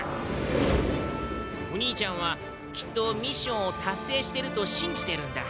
お兄ちゃんはきっとミッションを達成してると信じてるんだ。